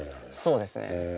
そうですね。